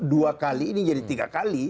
dua kali ini jadi tiga kali